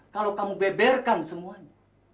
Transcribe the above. kalau kamu beberkan semuanya